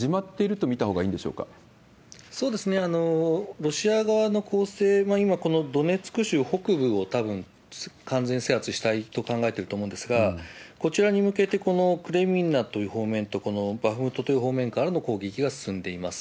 ロシア側の攻勢、今、このドネツク州北部をたぶん完全制圧したいと考えてると思うんですが、こちらに向けて、このクレミンナという方面と、このバフムトという方面からの攻撃が進んでいます。